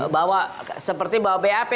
bawa seperti bawa bap